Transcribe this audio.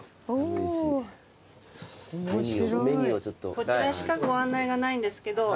こちらしかご案内がないんですけど。